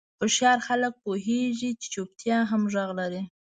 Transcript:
هوښیار خلک پوهېږي چې چوپتیا هم غږ لري.